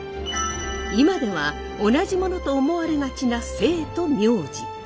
今では同じものと思われがちな姓と名字。